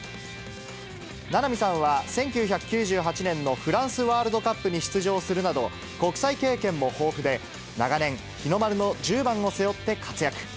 名波さんは１９９８年のフランスワールドカップに出場するなど、国際経験も豊富で、長年、日の丸の１０番を背負って活躍。